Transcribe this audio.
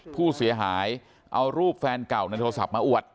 ผู้เสียหายเอารูปแฟนเก่าในโทรศัพท์มาอวด